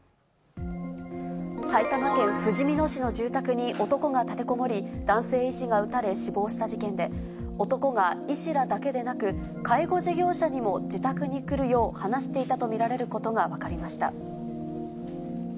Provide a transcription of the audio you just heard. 埼玉県ふじみ野市の住宅に男が立てこもり、男性医師が撃たれ、死亡した事件で、男が医師らだけでなく、介護事業者にも自宅に来るよう話していたと見られることが分かりました。